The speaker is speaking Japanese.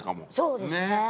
そうですね。